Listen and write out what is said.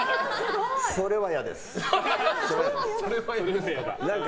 それは嫌です。